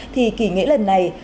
thì kỷ nghỉ lần này